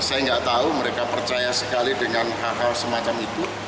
saya nggak tahu mereka percaya sekali dengan hal hal semacam itu